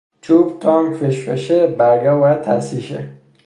توپ تانک فشفشه برگه ها باید تصحیح شه